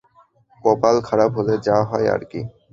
কপাল খারাপ হলে যা হয় আর কি!